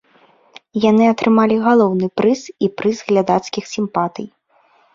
Яны атрымалі галоўны прыз і прыз глядацкіх сімпатый.